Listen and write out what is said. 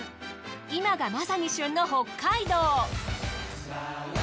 今がまさに旬の北海道。